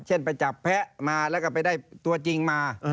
ไปจับแพ้มาแล้วก็ไปได้ตัวจริงมา